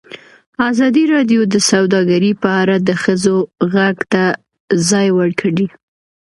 ازادي راډیو د سوداګري په اړه د ښځو غږ ته ځای ورکړی.